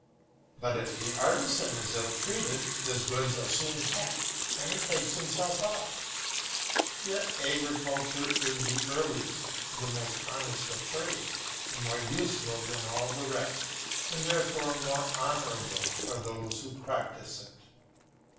But if the artisan is ill treated his goods are soon packed and he takes himself off. Yet agriculture is the earliest, the most honest of trades, and more useful than all the rest, and therefore more honourable for those who practise it.